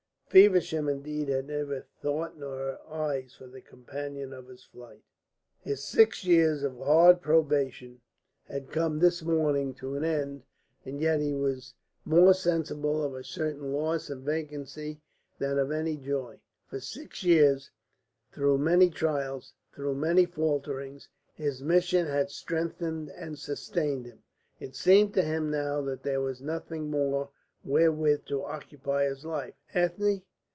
Feversham, indeed, had neither thought nor eyes for the companion of his flight. His six years of hard probation had come this morning to an end, and yet he was more sensible of a certain loss and vacancy than of any joy. For six years, through many trials, through many falterings, his mission had strengthened and sustained him. It seemed to him now that there was nothing more wherewith to occupy his life. Ethne?